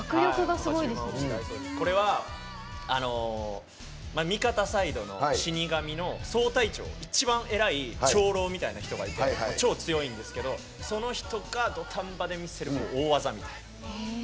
これは味方サイドの死神の総隊長、一番偉い長老みたいな人がいて超強いんですけどその人が土壇場で見せる大技みたいな。